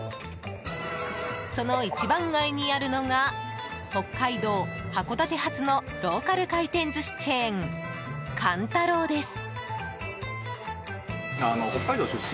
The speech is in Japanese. その一番街にあるのが北海道函館発のローカル回転寿司チェーン函太郎です。